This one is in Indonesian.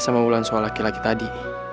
sama unggulan soal laki laki tadi